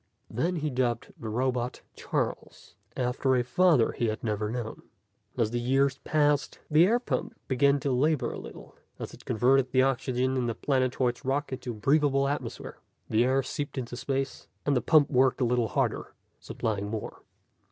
Then he dubbed the robot Charles, after a father he had never known. As the years passed, the air pump began to labor a little as it converted the oxygen in the planetoid's rock into a breathable atmosphere. The air seeped into space, and the pump worked a little harder, supplying more.